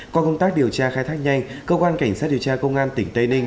qua công tác điều tra khai thác nhanh cơ quan cảnh sát điều tra công an tỉnh tây ninh